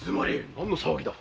何の騒ぎだ？